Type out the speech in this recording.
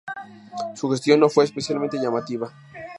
Su gestión no fue especialmente llamativa.